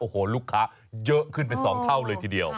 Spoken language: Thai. โอ้โหลูกค้าเยอะขึ้นเป็น๒เท่าเลยทีเดียว